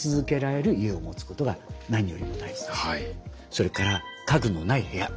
それから家具のない部屋。